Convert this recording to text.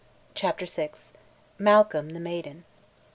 CHAPTER VI. MALCOLM THE MAIDEN.